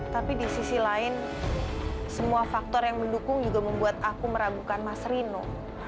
tapi di sisi lain semua faktor yang mendukung juga membuat aku meragukan mas rino